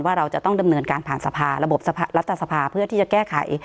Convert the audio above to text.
เราจะต้องดำเนินการผ่านสภาระบบรัฐสภาเพื่อที่จะแก้ไข